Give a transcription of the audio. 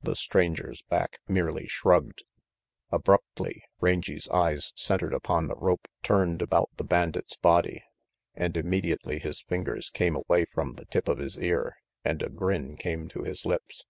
The stranger's back merely shrugged. Abruptly Rangy 's eyes centered upon the rope 82 RANGY PETE turned about the bandit's body, and immediately his fingers came away from the tip of his ear and a grin came to his lips.